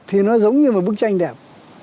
thì nó giống như một bức tranh đẹp